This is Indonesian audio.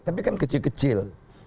tapi kan kecil kecil